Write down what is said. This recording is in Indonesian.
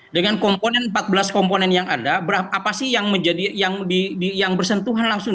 dengan komponen empat belas komponen yang ada apa sih yang bersentuhan langsung